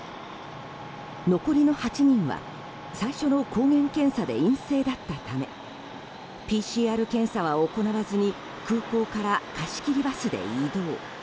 残りのは８人は最初の抗原検査で陰性だったためＰＣＲ検査は行わずに空港から貸し切りバスで移動。